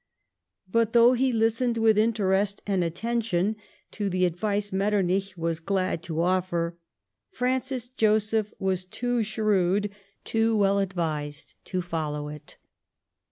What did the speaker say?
!Put thouo h he listened with interest and attention to the advice Metternich was glad to offiir, Francis Joseph was too shrewd, too well advised, to follow it.